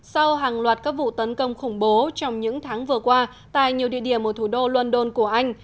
sau hàng loạt các vụ tấn công khủng bố trong những tháng vừa qua tại nhiều địa điểm ở thủ đô london của anh